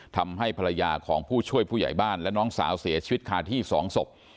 ทำให้ภรรยาของผู้ช่วยผู้ใหญ่บ้านและน้องสาวเสียชีวิตคาที่๒ศพ